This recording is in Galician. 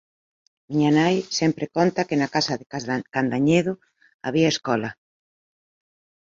Miña nai sempre conta que na casa de Candañedo había escola